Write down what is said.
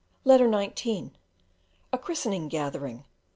Letter XIX: A Christening gathering.